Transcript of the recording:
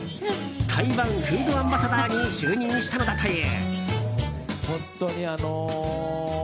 台湾フードアンバサダーに就任したのだという。